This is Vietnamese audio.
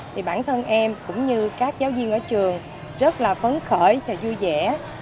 thì bản thân em cũng như các giáo viên ở trường rất là phấn khởi và vui vẻ